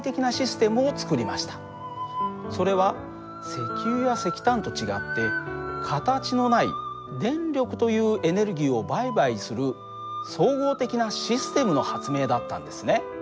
それは石油や石炭と違って形のない電力というエネルギーを売買する総合的なシステムの発明だったんですね。